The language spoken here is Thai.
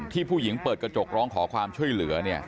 ผู้หญิงเปิดกระจกร้องขอความช่วยเหลือ